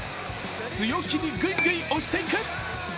強気にグイグイ押していく！